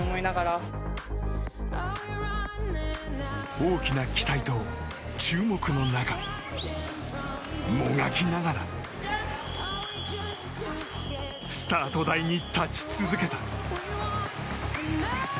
大きな期待と注目の中もがきながらスタート台に立ち続けた。